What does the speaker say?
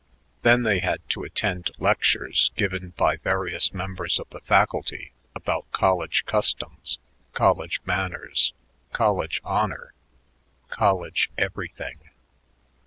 Then they had to attend lectures given by various members of the faculty about college customs, college manners, college honor, college everything.